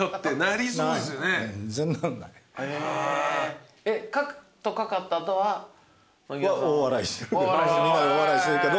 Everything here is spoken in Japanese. みんな大笑いしてるけど。